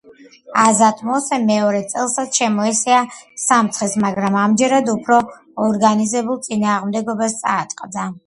აზატ მოსე მეორე წელსაც შემოესია სამცხეს, მაგრამ ამჯერად უფრო ორგანიზებულ წინააღმდეგობას წააწყდა.